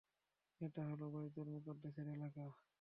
এটা হলো বায়তুল মুকাদ্দাসের এলাকা।